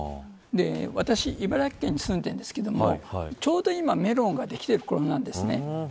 私、茨城県に住んでいるんですけどちょうど今、メロンができているころなんです。